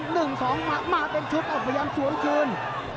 ๑๒หมัดมาเป็นชุดออกไปยังสวนคืน